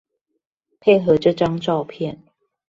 配合這張照片